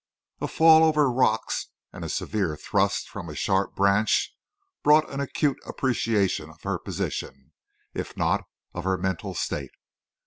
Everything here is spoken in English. A fall over rocks and a severe thrust from a sharp branch brought an acute appreciation of her position, if not of her mental state.